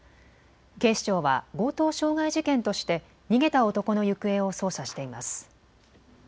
警視庁は強盗傷害事件として逃げた男の行方を捜査しています。